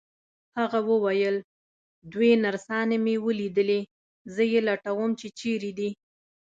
هغه وویل: دوې نرسانې مي لیدلي، زه یې لټوم چي چیري دي.